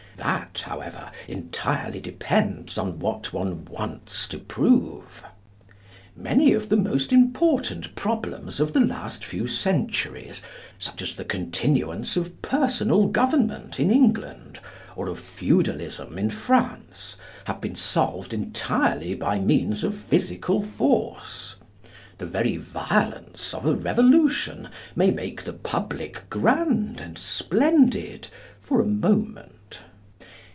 That, however, entirely depends on what one wants to prove. Many of the most important problems of the last few centuries, such as the continuance of personal government in England, or of feudalism in France, have been solved entirely by means of physical force. The very violence of a revolution may make the public grand and splendid for a moment.